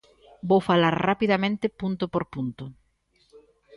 Vou falar rapidamente punto por punto.